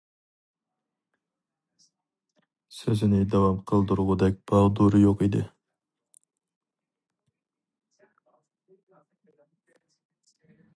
سۆزىنى داۋام قىلدۇرغۇدەك ماغدۇرى يوق ئىدى.